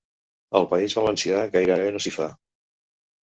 Al País Valencià gairebé no s'hi fa.